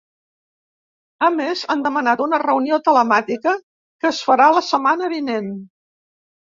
A més, han demanat una reunió telemàtica, que es farà la setmana vinent.